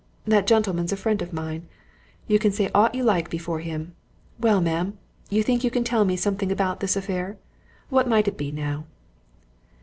That gentleman's a friend of mine you can say aught you like before him. Well, ma'am! you think you can tell me something about this affair? What might it be, now?"